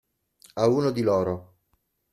A uno di loro.